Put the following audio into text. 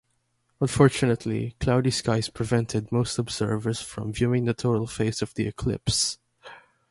Unfortunately, cloudy skies prevented most observers from viewing the total phase of the eclipse.